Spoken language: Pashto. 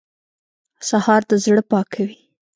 سهار د زړه پاکوي.